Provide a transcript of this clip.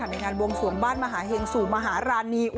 ในงานวงสวงบ้านมหาเห็งสู่มหารานี